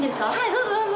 どうぞどうぞ。